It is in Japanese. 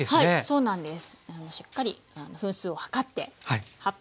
そうなんです。